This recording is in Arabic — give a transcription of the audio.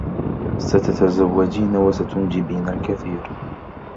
ستتزوّجين و ستنجبين الكثير.